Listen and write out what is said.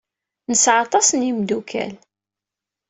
Nesɛa aṭas n yimeddukal.